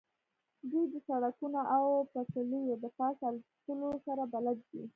دوی د سړکونو او پټلیو د پاسه الوتلو سره بلد دي